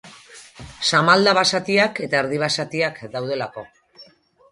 Samalda basatiak eta erdi-basatiak daudelako.